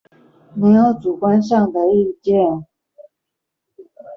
沒有主觀上的意見